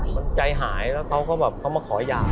มันใจหายแล้วก็มาขออย่าง